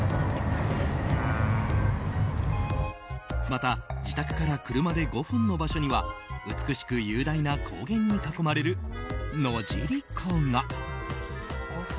また、自宅から車で５分の場所には美しく雄大な高原に囲まれる野尻湖が。